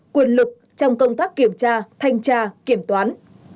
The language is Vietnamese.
quyền lực trong công tác kiểm tra thanh tra kiểm toán